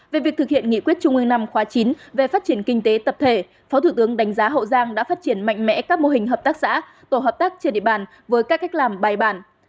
về việc thực hiện nghị quyết trung ương năm khóa chín về phát triển kinh tế tập thể phó thủ tướng đánh giá hậu giang đã phát triển mạnh mẽ các mô hình hợp tác xã tổ hợp tác trên địa bàn với các cách làm bài bản